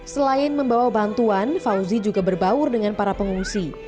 selain membawa bantuan fauzi juga berbaur dengan para pengungsi